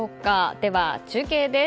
では中継です。